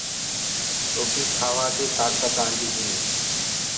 روٽيٚ کاوآ دي تآڪت آنٚديٚ هي